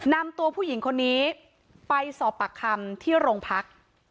นำตัวผู้หญิงคนนี้ไปสอบปากคำที่โรงพัก